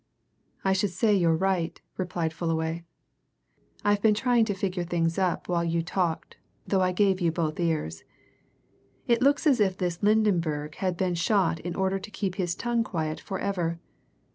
"I should say you're right," replied Fullaway. "I've been trying to figure things up while you talked, though I gave you both ears. It looks as if this Lydenberg had been shot in order to keep his tongue quiet forever.